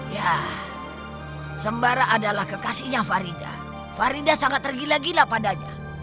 ya sembara adalah kekasihnya farida farida sangat tergila gila padanya